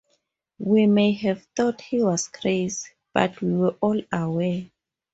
We may have thought he was crazy, but we were all aware.